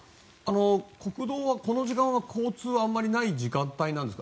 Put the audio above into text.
国道はこの時間は、交通あまりない時間帯なんですか。